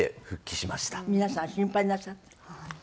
皆さん心配なさった？